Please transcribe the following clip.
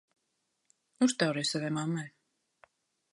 Uztaurē savai mammai!